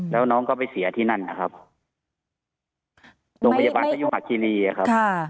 แล้วน้องก็ไปเสียที่นั่นนะครับโรงพยาบาลพยุหะคิรีอะครับ